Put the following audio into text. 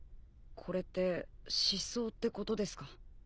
これって失踪ってことですか？